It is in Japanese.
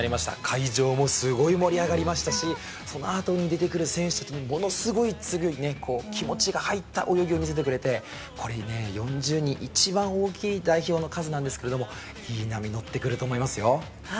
会場もすごい盛り上がりましたしそのあとに出てくる選手たちにつなぐものすごく気持ちが入った泳ぎを見せてくれて一番大きい代表の数なんですがいい波乗ってくると思いますよ。